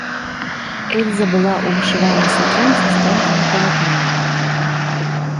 Эльза была ў вышыванай сукенцы з тонкага палатна.